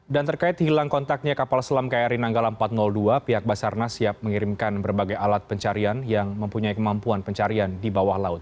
dan terkait hilang kontaknya kapal selam kri nanggala empat ratus dua pihak basarnas siap mengirimkan berbagai alat pencarian yang mempunyai kemampuan pencarian di bawah laut